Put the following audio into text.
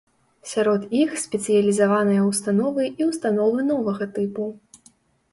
Сярод іх спецыялізаваныя ўстановы і ўстановы новага тыпу.